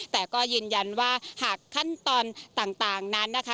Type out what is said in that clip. แต่ก็ยืนยันว่าหากขั้นตอนต่างนั้นนะคะ